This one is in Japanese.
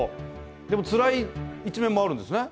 でもつらい一面もあるんですね。